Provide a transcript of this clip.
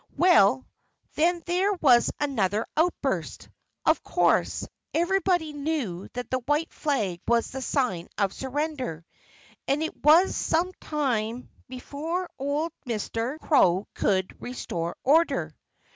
Well, then there was another outburst. Of course, everybody knew that the white flag was the sign of surrender. And it was some time before old Mr. Crow could restore order.